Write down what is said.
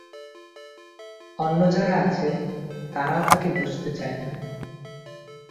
অন্য যারা আছে তারাও তাকে বুঝতে চায় না।